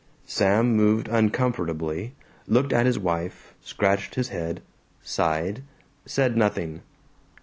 Sam moved uncomfortably, looked at his wife, scratched his head, sighed, said nothing.